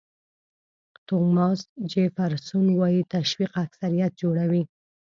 توماس جیفرسون وایي تشویق اکثریت جوړوي.